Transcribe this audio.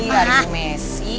ya ada yang messi